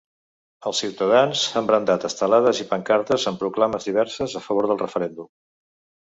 Els ciutadans han brandat estelades i pancartes amb proclames diverses a favor del referèndum.